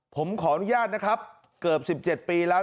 ผมขออนุญาตนะครับเกือบ๑๗ปีแล้ว